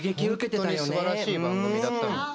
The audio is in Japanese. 本当にすばらしい番組だった。